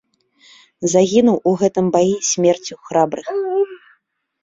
Загінуў у гэтым баі смерцю храбрых.